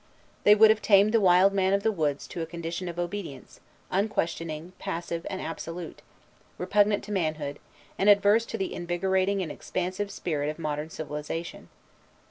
They would have tamed the wild man of the woods to a condition of obedience, unquestioning, passive, and absolute, repugnant to manhood, and adverse to the invigorating and expansive spirit of modern civilization.